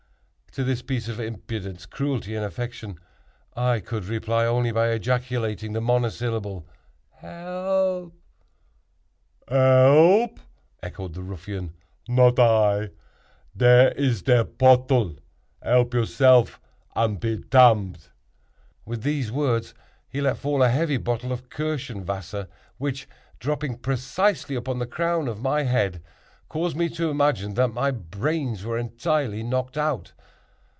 To this piece of impudence, cruelty and affectation, I could reply only by ejaculating the monosyllable "Help!" "Elp!" echoed the ruffian—"not I. Dare iz te pottle—elp yourself, und pe tam'd!" With these words he let fall a heavy bottle of Kirschenwasser which, dropping precisely upon the crown of my head, caused me to imagine that my brains were entirely knocked out.